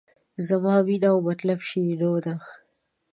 زما مینه او مطلب شیرینو ده.